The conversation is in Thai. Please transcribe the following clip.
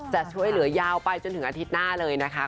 จะช่วยเหลือยาวไปจนถึงอาทิตย์หน้าเลยนะคะ